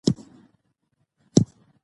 ځمکنی شکل د افغانانو د ژوند طرز اغېزمنوي.